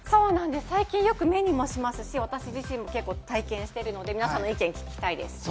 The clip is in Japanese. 最近よく目にもしますし、私自身も結構体験しているので、皆さんの意見、聞きたいです。